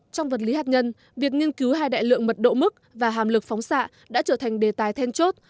trong vật lý hạt nhân việc nghiên cứu hai đại lượng mật độ mức và hàm lực phóng xạ đã trở thành đề tài then chốt